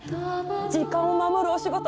時間を守るお仕事